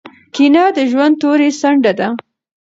کینه د ژوند توري څنډه ده.